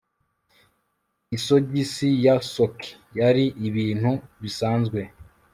Isogisi ya sock yari ibintu bisanzwe